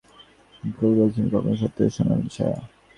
কবি বলেছেন, কল্পনা সত্যের সোনালী ছায়া।